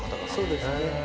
そうですね。